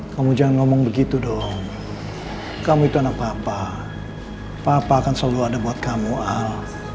kamu jangan ngomong begitu dong kamu itu anak apa apa papa kan selalu ada buat kamu al